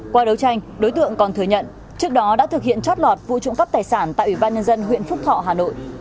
qua đấu tranh đối tượng còn thừa nhận trước đó đã thực hiện chót lọt vụ trộm cắp tài sản tại ủy ban nhân dân huyện phúc thọ hà nội